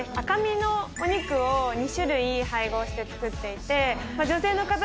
赤身のお肉を２種類配合して作っていて。